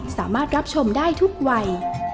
สามารถรับชมได้ทุกวัย